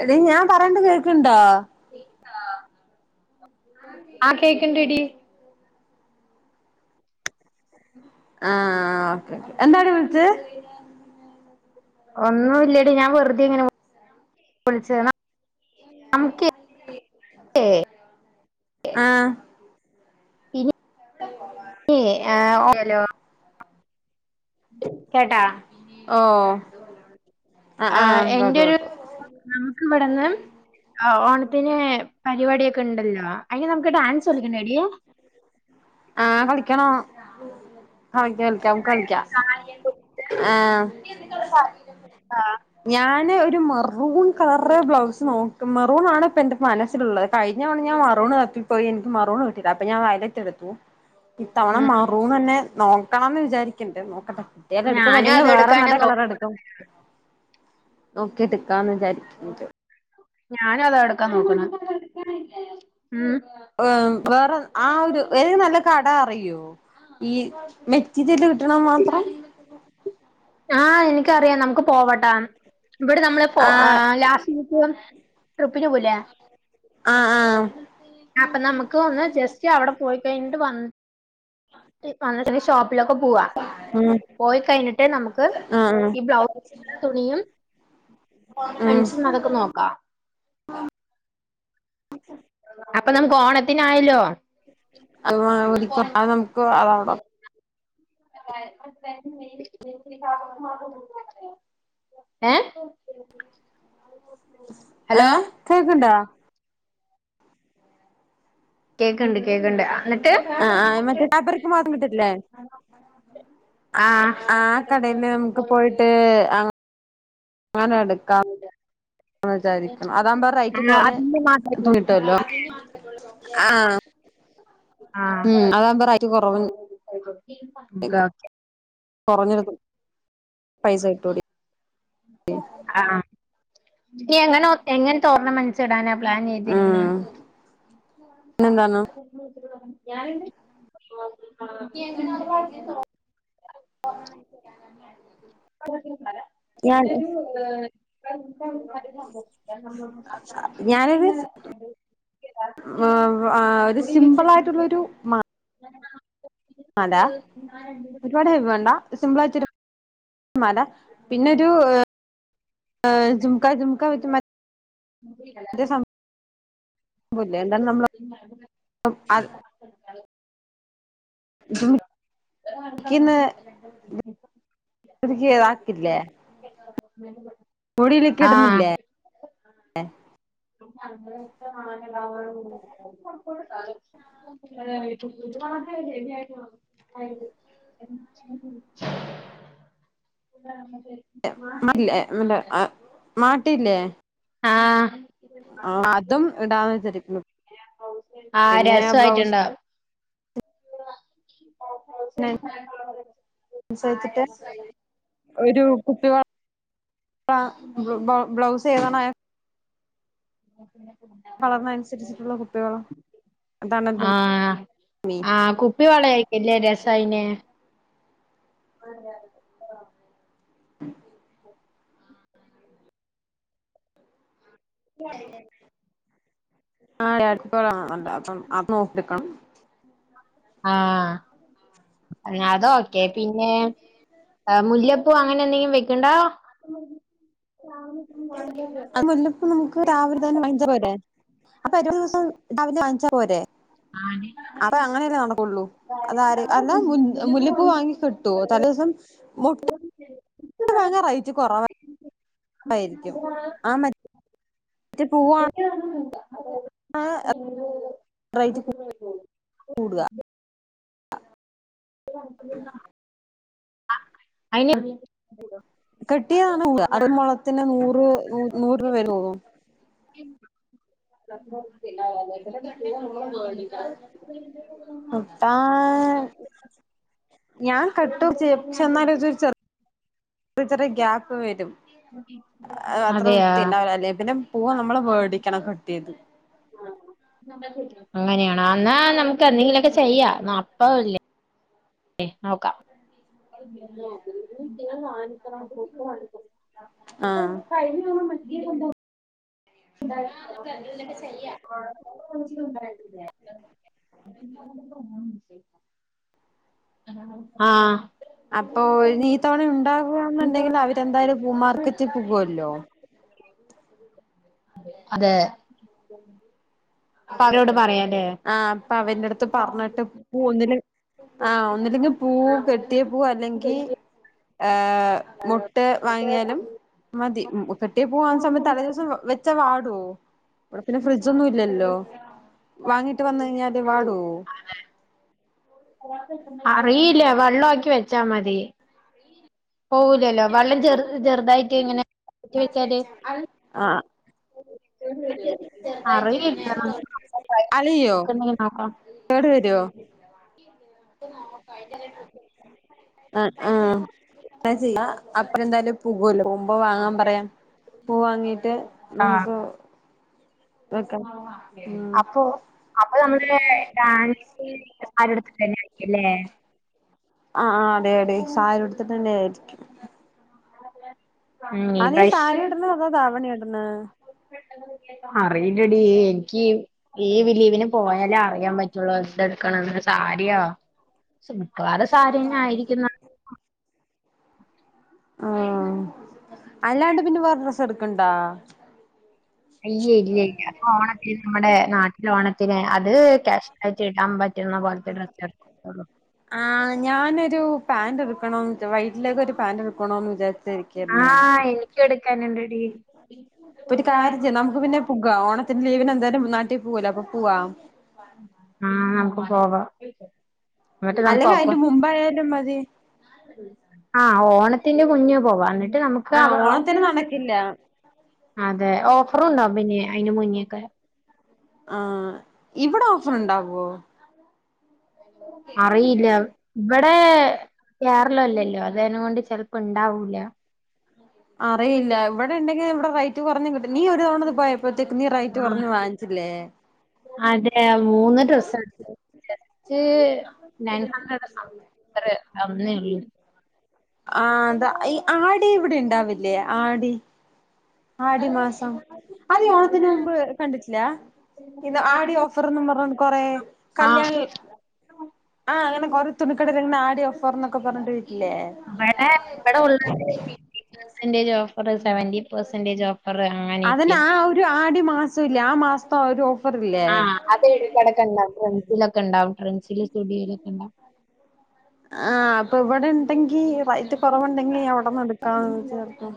എടീ ഞാൻ പറയണ്ട് കേൾക്കണ്ടോ ആ കേക്കണ്ട്ടി. ആഹ് അന്നേ ആരാ വിളിച്ചെ? ഒന്നും ഇല്ലടി ഞാൻ വെറുതെങ്ങനെ വിളിച്ച [unintelligible] നമക്ക് [unintelligible] ഏ. ആഹ് ഓ [unintelligible] ഏ. ഓ. ഹലോ. [unintelligible] കേട്ടാ ഓഹ് അ ആ ആഹ് എന്റെ കേട്ടു ഒരു കേട്ടു നമുക്ക് ഇവിടെന്ന് ഓണത്തിന് പരിപാടിയൊക്കെ ഉണ്ടല്ലോ അയിന് നമുക്ക് ഡാൻസ് കളിക്കണ്ടേടിയ ആഹ്. കളിക്കണം ആഹ് കളിക്കാം കളിക്കാം നമ്മക്ക് കളിക്കാം ആഹ് കുട്ടി ആഹ് ഞാന് ഒരു മറൂൺ കളറ് ബ്ലൗസ് നോക്കും മെറൂണാണ് ഇപ്പൊ എന്റെ മനസ്സില്ള്ളത് കഴിഞ്ഞ തവണ ഞാൻ മെറുണ് തപ്പിപ്പോയി എനിക്ക് മെറുണ് കിട്ടില്ല അപ്പോ ഞാൻ വൈലറ്റ് എട്ത്തു ഇത്തവണ ഉം മറുണ് തന്നെ നോക്കണംന്ന് വിചാരിക്ക്ണ്ട് ‌ നോക്കട്ടെ എടുക്കുമ്പോ ഞാനും അല്ലെങ്കി വേറെ അതെടുക്കാനാ നല്ല നോ കളറ് എട്ക്കും നോക്കിയെട്ക്കാന്ന് വിചാരിക്ക്ണ്ട് ‌ ഞാനും അതാ എട്ക്കാൻ നോക്ക്ണേ‌ ഉം ഏ വേറെ ആ ഒരു ഏതേലുംനല്ല കട അറിയോ ഈ മെറ്റിരിയല് കിട്ട്ണമാത്രം ആഹ് എനിക്കറിയാം നമുക്ക് പോവട്ടാ ഇബടെ നമ്മള് പോ ആഹ് ലാസ് ട്രിപ്പിന് പോയില്ലേ ആഹ് ആഹ് അപ്പൊ നമ്മക്കൊന്ന് ജസ്റ്റ് അവ്ടെപോയി കഴിഞ്ട്ട് വ വന്നിട്ടെടി ഷോപ്പിലൊക്കെ പോവാ ഉം പോയി കഴിഞ്ട്ട് നമ്മക്ക് ആഹ് ഈ ബ്ലൗസ് തുണിയും ഉം മെൻസിന്നതൊക്കെ നോക്കാം അപ്പൊ നമ്മക്ക് ഓണത്തിനായല്ലോ അത് വാങ്ങാൻവേണ്ടിട്ട് അത് നമ്മക്ക് അവളെവിടാം [unintelligible] ഏ ഹലോ ഏഹ് കേക്ക്ണ്ടാ കേക്ക്ണ്ട് കേക്ക്ണ്ട് എന്നിട്ട് ആഹ് ആഹ് മറ്റേ [unintelligible] പ്പറിക്ക് [unintelligible] കിട്ടില്ലേ ആഹ് ആ കടെല് നമ്മക്ക് പോയിട്ട് അഹ് നെട് ക്കാംന്ന് വിചാരിക്ക്ണ് ‌ അതാമ്പോ റൈറ്റ് ആ കൊറഞ് അതിന്റെ മാത്രം തുണികിട്ട്ല്ലോ ആഹ് ആ ഉം അതാവ്മ്പറേറ്റ് കൊറവ് ഗാത്ത് കൊറഞ്ഞട്ത്ത് പൈസ ഇട്ടുടി ആഹ് നി എങ്ങനെ എങ്ങത്തെ ഓർണമെന്സിടാനാ പ്ലാൻ ചെയ്തിരിക്ക്‌ണേ നെന്താന്നോ ഞാന്ണ്ട് സിമ്പിളായിട്ടും [unintelligible] കരിമണിമാല ഞാൻ പിന്നൊരു ഞാനൊരു [unintelligible] [unintelligible] ഒരു സിമ്പിളായിട്ട്ള്ളൊരു മ വേണാ പാന്റാ ഒരുപാട് വേണ്ട സിമ്പിളായിട്ടൊരു മാല പിന്നെരു ജുമ്ക്കാ ജുമ്ക്കാ വിത്ത് മ മൂവികള് വൂല്ലേ എന്താലും നമ്മള് [unintelligible] ജിമിക്കിന്ന് [unintelligible] താക്കില്ലേ ആഹ് എ [unintelligible] അങ്ങനത്തെ മാല [unintelligible] എ പുത്തുറ്റ് മാണാത്ത കാര്യാ [unintelligible] [unintelligible] മല്ലേല്ല മല മാട്ട്ല്ലേ ആഹ് ആഹ് അതും ഇടാന്ന് വിചാരിക്ക്‌ണു ആഹ് രസം ആയിട്ടുണ്ടാവും ബ്ലൗസിനനുസരിച്ചിട്ട് [unintelligible] [unintelligible] ഒരു കുപ്പി വള [unintelligible] ബ്ലൗസ് ഏതാണ് [inaudible] ആഹ് പറഞ്ഞതിന് അനുരിച്ചിട്ടുള്ള കുപ്പിവള അതാണ് ആഹ് മീ ആഹ് കുപ്പി വളായിരിക്കല്ലേ രസായിനേ [inaudible] [inaudible] [unintelligible] അപ്പം അത് നോക്കി എടുക്കണം ആഹ് അത് ഓക്കെ പിന്നേ ആഹ് മുല്ലപ്പൂ അങ്ങനെ എന്തെങ്കിലും വെക്ക്ണ്ടോ [unintelligible] ആഹ് മുല്ലപ്പൂ നമുക്ക് രാവിലെ തന്നെ [unintelligible] അപ്പൊ അറുപത് ദിവസം രാവിലെ വങ്ങിച്ചാ പോരെ അപ്പ അങ്ങനെയല്ലേ നടക്കുള്ളൂ അതാര് അല്ല മുൽ മുല്ലപ്പൂ വാങ്ങിക്കോ ട്ടോ തലേ ദിവസം മൊ ട്ട് വാങ്ങാൻ റൈറ്റ് കൊറവ് ആയിരിക്കും ആ മ റ്റ് പൂവാ ആഹ് റൈറ്റ് കു കൂടുക [inaudible] അ അയിന് [inaudible] കെട്ടിയതാണ് [inaudible] ഒരു മുളത്തിന് നൂറ് നൂ നൂറ് രൂപ വരെ പോകും [inaudible] [unintelligible] ആഹ് ഞാൻ കട്ടു ചെ ചെന്നാല് ഇത് ചെ ഇപ്പൊ ചെറിയ ഗ്യാപ്പ് വരും അത് അത്ര അതെയാ വൃത്തി ഉണ്ടാവലില്ലേ പിന്നെ പൂവ് നമ്മള് വേടിക്കണം കട്ട് ചെയ്ത് അങ്ങനെയാണ് എന്നാ നമുക്ക് എന്തെങ്കിലും ഒക്കെ ചെയ്യാ എന്നാ അപ്പൊ അല്ലേ ലെ നോക്ക [inaudible] ആഹ് [unintelligible] ചായ കുടിച്ചോ ആഹ് [unintelligible] ആഹ് അപ്പൊ ഇനി ഈ തവണ ഉണ്ടാവു ഓഹ് അന്ന് എന്തെങ്കിലും അവര് എന്തായാലും പൂ മാർക്കറ്റിൽ പോകുല്ലോ അതെ അതെ അപ്പൊ അവരോട് പറയാല്ലേ ആഹ് അപ്പൊ അവന്റെ അടുത്ത് പറഞ്ഞിട്ട് പോന്നില് ആഹ് ഒന്നില്ലെങ്കിൽ പൂവ് കെട്ടിയ പൂവ് അല്ലെങ്കി ഏഹ് മുട്ട് വാങ്ങിയാലും മതി കെട്ടിയ പൂവ് വാങ്ങിയ സമയത്ത് തലേ ദിവസം വെച്ചാ വാടുവോ ഇവിടെ പിന്നെ ഫ്രിഡ്ജൊന്നും ഇല്ലല്ലോ വാങ്ങിയിട്ട് വന്ന് കഴിഞ്ഞാല് വാടുവോ അറിയില്ല വെള്ളം ആക്കി വെച്ചാ മതി പോവുലല്ലോ വെള്ളം ചെറു ചെറുതായിട്ട് ഇങ്ങനെ ആക്കി വെച്ചാല് വെച്ചാ മതി ആഹ് അറിയില്ല നമുക്ക് അലയൊ നോക്കാം കേട് വരോ ആ ആഹ് ചെയ്യ അപ്പ എന്തായാലും പുകോല്ലോ പോവുമ്പോ വാങ്ങാം പറയ പൂ വാങ്ങീട്ട് ആഹ് നമുക്ക് വെക്കാം ഉം അപ്പൊ അപ്പൊ നമ്മള് ഡാൻസ് [unintelligible] ല്ലേ ആ അതെ അതേ സാരി ഉട്ത്ത്ട്ടന്നെ ആയിരിക്കും ഉം ഈ അത് നി സാരി പ്രാവശ്യം ഇട്ണോ അതോ ധാവണി ഇട്ണെ അറയില്ലടി ഇൻക്കി ഈ വി ലീവിന് പോയാലേ അറിയാം പറ്റൊള്ളൂ എന്തട്ക്കണം സാരിയൊ മിക്കവാറും സാരിയന്ന ആയിരിക്കുന്ന ആഹ് അല്ലാണ്ട് പിന്നെ വേറെ ഡ്രസ്സ് എട്ക്ക്ണ്ടാ ഇല്ല്യ ഇല്ല്യ ഇല്ല്യ ഇപ്പൊ ഓണത്തിന് നമ്മുടെ നാട്ടില ഓണത്തിന് അത് ക്യാഷ്യലായിട്ട് ഇടാം പ [unintelligible] കോർച്ചെ ഡ്രസ് എടുക്കൊന്നോള്ളൂ ആ ഞാനരു പാന്റ് ഇട്ക്കണം വൈറ്റിലേക്ക് ഒര് പാന്റ് ഇട്ക്കണോന്ന് വിചാരിച്ചരി ആ ഇൻക്യു എട്ക്കാനുണ്ടടി ഒരു കാര്യ ചെയ്‌ നമുക്ക് പിന്നെ പുക ഓണത്തിന്റെ ലീവിന് എന്തായാലും നാട്ടി പോവല്ലോ അപ്പ പുവാ ആ നമുക്ക് പോവാ ന്നട്ട് അല്ലെങ്കിൽ നമുക്കൊപ്പം അതിന്റെ മുമ്പായാലും മതി ആ ഓണത്തിന്റെ മുന്നേ പോവാ എന്നട്ട് നമുക്ക് ആഹ് ഓണത്തിന് നടക്കില്ല അതെ ഓഫറുണ്ടാവും പിന്നെ അയിന് മുന്നെക്കെ ആ ഇവടെ ഓഫറ് ഇണ്ടാകോ അറിയില്ല ഇവടെ കേരളല്ലല്ലോ അതെനോണ്ട് ചെൽ ഇപ്പ ഇണ്ടാവൂല അറിയില്ല ഇവടെ ഇണ്ടെങ്കി ഇവടെ റൈറ്റ് കോറഞ് കിട്ട് നീ ഒരു തവണ ഇത് പോയപ്പത്തേക്ക് നീ റൈറ്റ് ആഹ് കൊർഞ് വാങ്ങി ച്ചില്ലേ അതെ മൂന്ന് ഡ്രസ്സ് എട്ത്തു [unintelligible] ത്തറെ അന്നേ ഒള്ളൂ ആ എന്താ ഈ ആടി ഇവടെ ഇണ്ടാവില്ലേ ആടി ആടി മാസം അത് ഈ ഓണത്തിന് മുമ്പ് കണ്ടിട്ടില്ല ഇന്ന ആടി ഓഫർന്നും പർഞ് കൊറ കല്യാൺൽ ആഹ് ആ അങ്ങനെ കൊർ തുണിക്കടെല് ഇങ്ങനെ ആടി ഓഫർന്നൊക്കെ പർഞ്ട്ട് ഇല്ലെ ഇവടെ ഇവടെ full [unintelligible] percentage offer seventy percentage offer അങ്ങൻ അതന ആ ഒരു ആടി മാസ ഇല്ലേ ആ മാസ്ത്ത ഒരു ഓഫർ ഇല്ലേ [unintelligible] ഇണ്ടാവും ട്രൻസി ലൊക്ക ഇണ്ടാവും ട്രെൻസില് സ്റ്റുഡിയെലൊക്ക ഇണ്ടാവും ആ അപ്പ ഇവടെ ഇണ്ടെങ്കി റൈറ്റ് കോറവുണ്ടെങ്കി അവടന്ന് എടുക്കാന്ന് [unintelligible]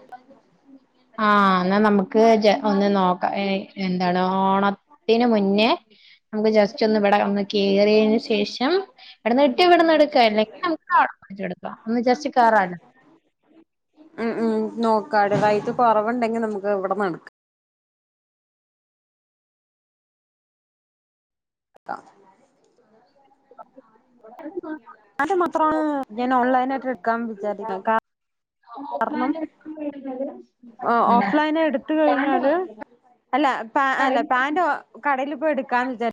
ആ ന്നാ നമുക്ക് ജെ ഒന്ന് നോക്കാ ഏ എന്താണ് ഓണ ത്തിന് മുന്നേ നമുക്ക് ജസ്റ്റ് ഒന്ന് ഇവടെ ഒന്ന് കേറിയെന് ശേഷം ഇവടന്ന് കി ട്ടി ഇവടന്ന് എടുക്ക അല്ലെങ്കി [unintelligible] എടുക്ക ഒന്ന് ജസ്റ്റ് കേറാലോ ഉം ഉം നോക്കാട റൈറ്റ് കോറവ്ണ്ടെങ്കി നമുക്ക് ഇവടന്നട് ക്ക [unintelligible] [unintelligible] മാത്രാണ് ഞാൻ ഓൺലൈനായിട്ട് എട്ക്കാം വിചാരിക്ക്ണ കാ ഓഫ്‌ ലൈന് ആയിട്ടും വര്നത് ഓഫ്ലൈന് എടുത്ത് കഴിഞ്ഞാല് അല്ല അല്ല പാന്റ് കടയില് പോയി എടുക്കാന്ന് വിചാ -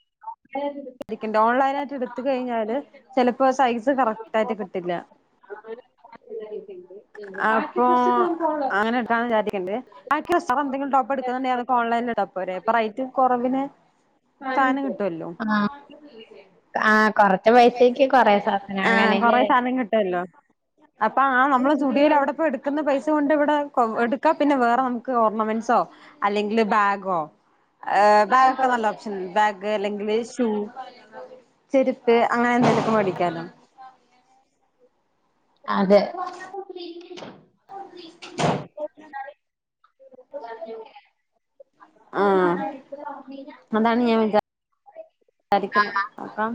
ഏത് [unintelligible] രിക്കണ്ട് ഓൺലൈനായിട്ട് ഇട്ത്ത് കഴിഞ്ഞാല് ചെലപ്പോ സൈസ് കറക്റ്റ് ആയിട്ട് കിട്ടില്ല അപ്പൊ അങ്ങനെ എടുകാന്ന് വിചാരിക്ക്ണ്ട് അൻക് എസ്സറ എന്തെങ്കിലും ടോപ് എടുക്കുന്നുണ്ടെ അതൊക്കെ ഓൺ ലൈനില്ടത പോരെ അപ്പ റൈറ്റ് കൊറവിന് സാനം കിട്ടുവല്ലോ ആഹ് ആഹ് കൊറച്ച് പൈസക്ക് കൊറേ സാധനം ആഹ കൊറെ അങ്ങനെല്ലേ സാനം കിട്ടുവല്ലോ അപ്പൊ ആഹ നമ്മള് സ്റ്റുഡിയോയിൽ അവ്ടെ പോയി എടുക്കുന്ന പൈസ കൊണ്ട് ഇവിടെ എടുക്ക പിന്നെ വേറെ നമുക്ക് ഓർണമെൻസോ അല്ലെങ്കില് ബാഗോ ബാഗൊക്കെ നല്ല ഓപ്ഷൻണ്ട് ബാ- ഗ് അല്ലെങ്കില് ഷൂ ചെരുപ്പ് അങ്ങനെ എന്തെങ്കിലുക്കെ മേടിക്കാലോ അതെ ആഹ് അതാണ് ഞാൻ മിണ്ടാ രിക്കുന്നത് ആഹ് അപ്പം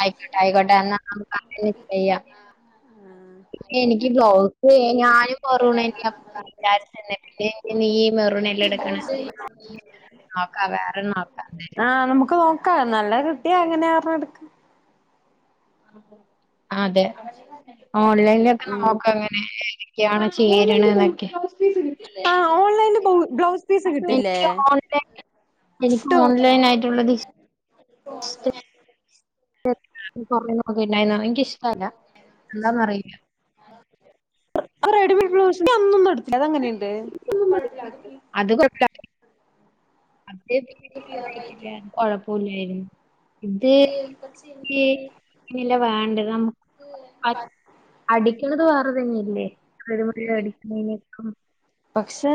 ആയിക്കോട്ടെ ആയിക്കോട്ടെ എന്നാ നമ്മുക്കങ്ങനെ ചെയ്യാം ഇപ്പേ എനിക്ക് ബ്ലൗസ്സ് എ ഞാനും മെറൂണന്നയാ വിചാരിച്ചന്നെ [unintelligible] ഈ മെറൂണല്ലെ എടുക്കണേ ആഹ നമുക്ക് നോക്കാം നല്ല കിട്ടിയാ അങ്ങനെ ഒരെണ്ണം എടുക്ക അതെ ഓൺലൈൻനിലൊക്കെ ഒന്ന് ഉം നോക്ക് എങ്ങനെയിരിക്കാണ് ചേര്ണെന്നക്കെ ഓൺലൈനില് ബൗ ബ്ലൗസ് പീസ് കിട്ടില്ലേ ഓൺലൈൻ എനിക്ക് ട്ടോ ഓൺലൈൻ [inaudible] എനിക്കിഷ്ടല്ല എന്താന്നറിയില്ല റെഡിമെയ്ഡ് ബ്ലൗസ് യ് അന്നൊന്നെടുത്തിലെ അതെങ്ങനെയ്ണ്ട് [inaudible] അത് [inaudible] കൊഴപ്പുല്ലാരുന്നു ഇത് ഈ ഇങ്ങനെയല്ല വേണ്ടത് നമുക്ക് അ- [unintelligible] അടിക്കണത് വേറെ തന്നെയല്ലേ [unintelligible] പക്ഷെ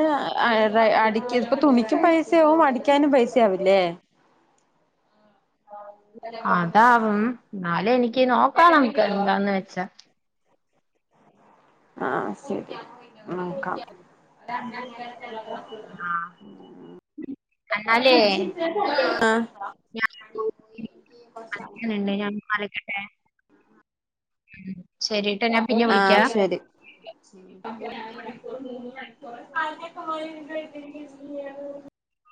അ റെ അടിക്ക് ഇപ്പൊ തുണിക്കും പൈസയാവും അടിക്കാനും പൈസയാവില്ലേ അതാവും ന്നാലു എനിക്ക് നോക്കാ നമ്മുക്ക് എന്താന്ന് വെച്ചാ ആഹ ശരി നോക്കാം കണ്ടാലേ ആഹ [unintelligible] ശെരിട്ടോ ഞാൻ പിന്നെ ആഹ വിളിക്കാം ശെരി [unintelligible]